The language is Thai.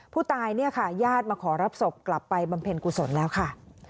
ผู้ตายเนี่ยค่ะญาติมาขอรับศพกลับไปบำเพ็ญกุศลแล้วค่ะ